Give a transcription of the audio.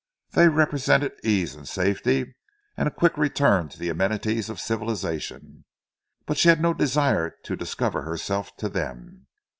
They represented ease and safety, and a quick return to the amenities of civilization, but she had no desire to discover herself to them.